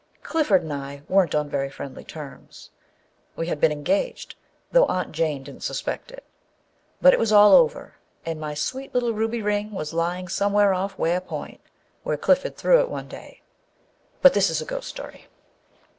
Clifford and I weren't on very friendly terms. We had been engaged, though Aunt Jane didn't sus pect it. But it was all over, and my sweet little ruby ring was lying somewhere off Weir Point, where Clifford threw it one day â but this is a ghost story.